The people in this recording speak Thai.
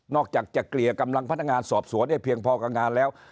อกจากจะเกลี่ยกำลังพนักงานสอบสวนให้เพียงพอกับงานแล้ว